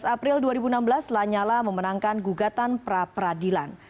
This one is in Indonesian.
dua belas april dua ribu enam belas lanyala memenangkan gugatan pra peradilan